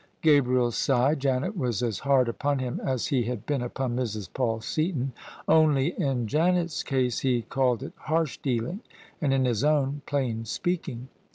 Gabriel sighed. Janet was as hard upon him as he had been upon Mrs. Paul Seaton: only in Janet's case he called it harsh dealing, and in his own, plain speaking.